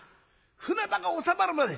船場が収まるまで！